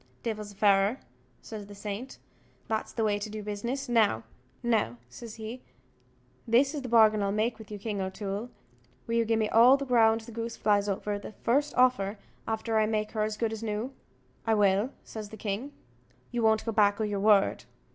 "Divil a fairer," says the saint, "that's the way to do business. Now," says he, "this is the bargain I'll make with you, King O'Toole: will you gi' me all the ground the goose flies over, the first offer, after I make her as good as new?" "I will," says the king. "You won't go back o' your word?"